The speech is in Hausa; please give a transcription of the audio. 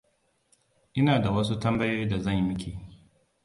Ina da wasu tambayoyi da zan miki.